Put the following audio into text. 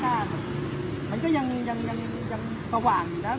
ตอนนี้กำหนังไปคุยของผู้สาวว่ามีคนละตบ